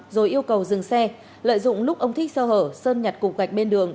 rồi yêu cầu dừng xe lợi dụng lúc ông thích sơ hở sơn nhặt cục gạch bên đường